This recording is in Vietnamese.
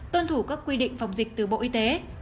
tuân thủ các quy định phòng dịch từ bộ y tế